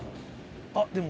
あっでも。